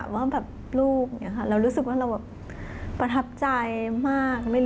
ว่าแบบลูกเรารู้สึกว่าเราแบบประทับใจมาก